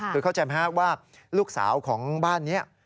คือเขาจะแม้ว่าลูกสาวของบ้านนี้